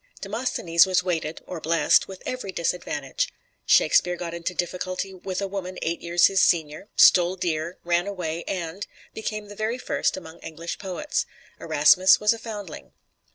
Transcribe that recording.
Demosthenes was weighted (or blessed) with every disadvantage; Shakespeare got into difficulty with a woman eight years his senior, stole deer, ran away, and became the very first among English poets; Erasmus was a foundling.